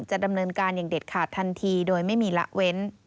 ดำเนินการอย่างเด็ดขาดทันทีโดยไม่มีละเว้น